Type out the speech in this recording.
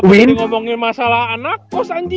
kenapa di ngomongin masalah anak kos anjing